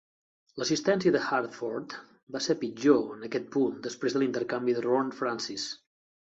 L'assistència de Hartford va ser pitjor en aquest punt després de l'intercanvi de Ron Francis.